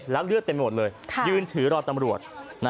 แล้วเลือดเต็มหมดเลยยืนถือรอตำรวจ